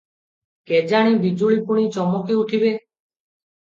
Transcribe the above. କେଜାଣି ବିଜୁଳି ପୁଣି ଚମକି ଉଠିବେ ।